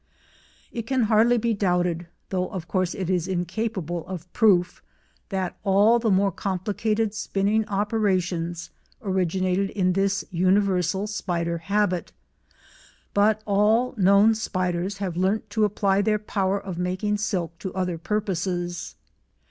It can hardly be doubted—though of course it is incapable of proof—that all the more complicated spinning operations originated in this universal spider habit, but all known spiders have learnt to apply their power of making silk to other purposes.